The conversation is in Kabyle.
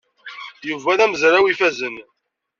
Yuba d amezraw ifazen.